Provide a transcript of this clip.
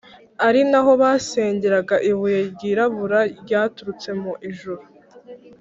ari na ho basengeraga ibuye ryirabura ryaturutse mu ijuru.